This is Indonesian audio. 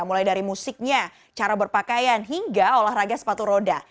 mulai dari musiknya cara berpakaian hingga olahraga sepatu roda